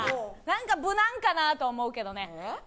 何か無難かなと思うけどねえっ？